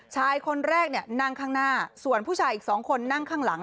ชายคนแรกเนี่ยนั่งข้างหน้าส่วนผู้ชายอีกสองคนนั่งข้างหลัง